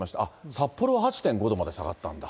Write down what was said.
札幌は８．５度まで下がったんだ。